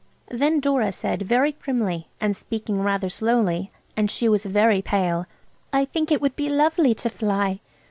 Then Dora said very primly and speaking rather slowly, and she was very pale– "I think it would be lovely to fly.